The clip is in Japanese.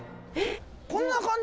こんな感じ？